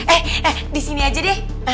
eh di sini aja deh